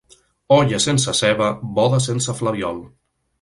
Olla sense ceba, boda sense flabiol.